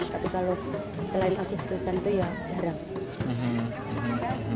tapi kalau selain agustusan itu ya jarang